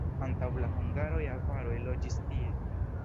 Antaŭ la hungaroj avaroj loĝis tie.